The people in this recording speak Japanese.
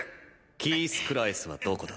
キース・クラエスはどこだ？